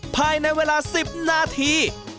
ภายในเวลา๑๐นาที